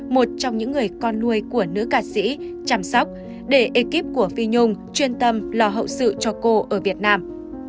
một trong những người con nuôi của nữ ca sĩ chăm sóc để ekip của phi nhung chuyên tâm lo hậu sự cho cô ở việt nam